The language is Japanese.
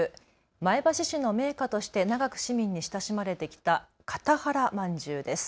前橋市の銘菓として長く市民に親しまれてきた片原饅頭です。